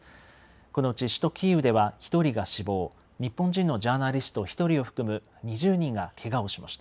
このうち首都キーウでは１人が死亡、日本人のジャーナリスト１人を含む２０人がけがをしました。